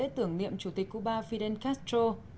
những lễ tưởng niệm chủ tịch cuba fidel castro